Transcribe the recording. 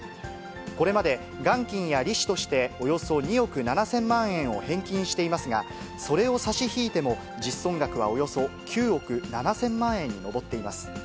これまで元金や利子として、およそ２億７０００万円を返金していますが、それを差し引いても、実損額はおよそ９億７０００万円に上っています。